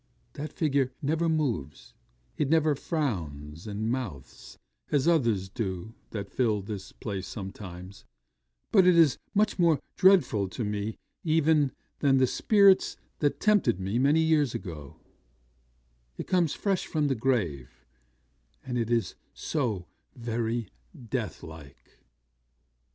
That figure never moves; it never frowns and mouths as others do, that fill this place sometimes; but it is much more dreadful to me, even than the spirits that tempted me many years ago it comes fresh from the grave; and is so very death like.